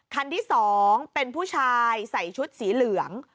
คันที่๒เป็นผู้ชายใส่ชุดสีเหลือง